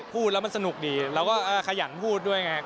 พูดแล้วมันสนุกดีแล้วก็ขยันพูดด้วยไง